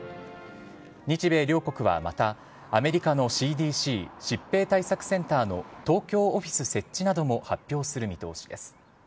日米両国はまた、アメリカのＣＤＣ・疾病対策センターの東京オフィス設置なども発表する見通しです。